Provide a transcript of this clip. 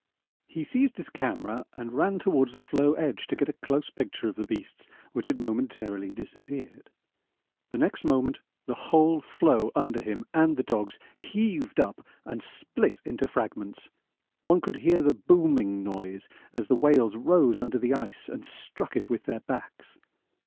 He seized his camera and ran towards the floe edge to get a close picture of the beasts, which had momentarily disappeared. The next moment the whole floe under him and the dogs heaved up and split into fragments. One could hear the 'booming' noise as the whales rose under the ice and struck it with their backs.